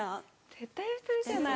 絶対普通じゃない。